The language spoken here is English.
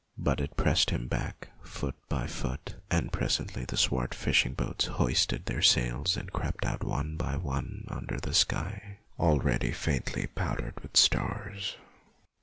But it pressed him back foot by foot, and presently the swart fishing boats hoisted their sails and crept out one by one under the sky, already faintly powdered with stars.